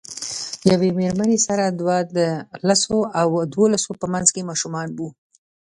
یوې میرمنې سره دوه د لسو او دولسو په منځ ماشومان وو.